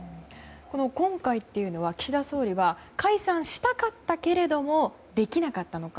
今回というのは岸田総理は解散したかったけれどもできなかったのか。